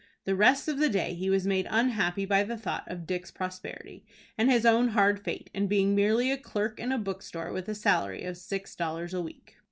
The rest of the day he was made unhappy by the thought of Dick's prosperity, and his own hard fate, in being merely a clerk in a bookstore with a salary of six dollars a week.